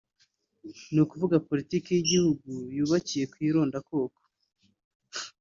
ni ukuvuga politiki y’igitugu yubakiye ku irondakoko